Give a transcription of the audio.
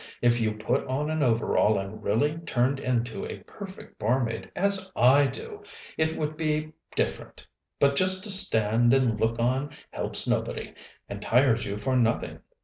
If you put on an overall, and really turned into a perfect barmaid, as I do, it would be different, but just to stand and look on helps nobody, and tires you for nothing.